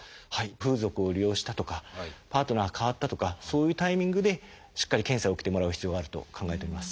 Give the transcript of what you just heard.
風俗を利用したとかパートナーが変わったとかそういうタイミングでしっかり検査を受けてもらう必要があると考えております。